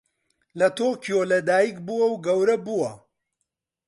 لە تۆکیۆ لەدایکبووە و گەورە بووە.